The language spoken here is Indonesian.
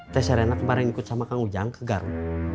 teh serena kemarin ikut sama kang ujang ke garo